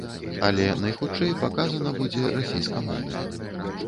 Але, найхутчэй, паказана будзе расейскамоўная.